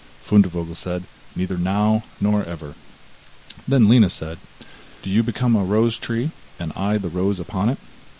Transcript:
Fundevogel said: 'Neither now, nor ever.' Then said Lina: 'Do you become a rose tree, and I the rose upon it.